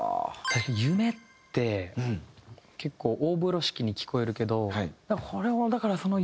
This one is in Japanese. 「夢」って結構大風呂敷に聞こえるけどこれもだからその夢。